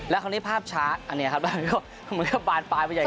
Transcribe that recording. แล้วคราวนี้ภาพช้าอันนี้ครับบ้านก็มันก็บานปลายไปใหญ่